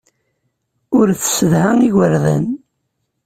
Ur tessedha igerdan.